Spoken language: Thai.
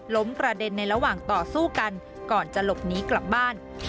กระเด็นในระหว่างต่อสู้กันก่อนจะหลบหนีกลับบ้าน